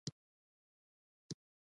خبریال هم طبعاً په دې نه وو خبر.